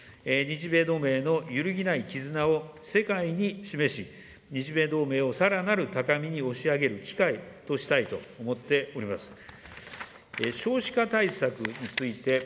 日米同盟のゆるぎない絆を世界に示し、日米同盟をさらなる高みに押し上げる機会としたいと思っております。